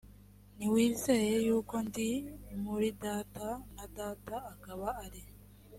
ntiwizeye yuko ndi muri data na data akaba ari